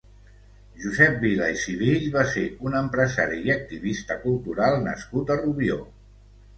Josep Vila i Sivill va ser un empresari i activista cultural nascut a Rubió.